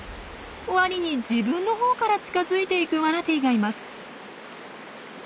ワニに自分のほうから近づいていくマナティーがいます。